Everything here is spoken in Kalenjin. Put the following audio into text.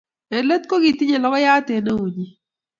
Eng leet kokitonyei logoyat eng eunnyi